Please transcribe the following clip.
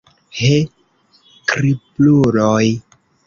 He, kripluloj!